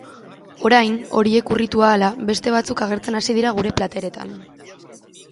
Orain, horiek urritu ahala, beste batzuk agertzen hasi dira gure plateretan.